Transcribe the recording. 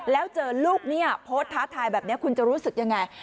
แล้วเจอลูกเนี่ยโพสต์ท้าทายแบบนี้คุณจะรู้สึกยังไง